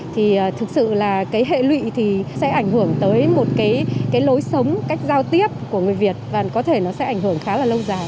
thì thực sự là cái hệ lụy thì sẽ ảnh hưởng tới một cái lối sống cách giao tiếp của người việt và có thể nó sẽ ảnh hưởng khá là lâu dài